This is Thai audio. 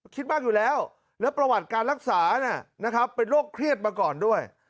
คิดมากอยู่แล้วแล้วประวัติการรักษานะครับเป็นโรคเครียดมาก่อนด้วย